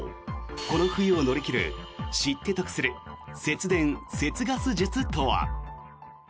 この冬を乗り切る知って得する節電・節ガス術とは。